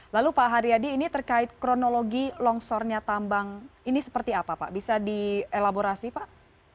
lalu pak haryadi ini terkait kronologi longsornya tambang ini seperti apa pak bisa dielaborasi pak